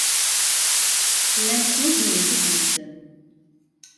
Llant snuzuyent idlisen.